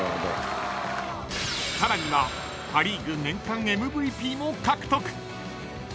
［さらにはパ・リーグ年間ＭＶＰも獲得］